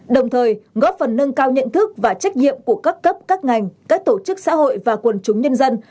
đồng thời góp phần nâng cao nhận thức và trách nhiệm của các cấp các ngành các tổ chức xã hội và quần chúng nhân dân